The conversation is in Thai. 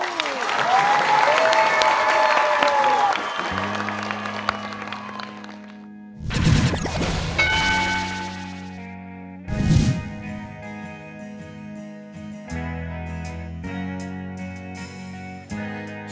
คือ